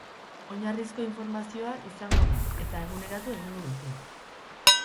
Oinarrizko informazioa izango da eta eguneratu egingo dute.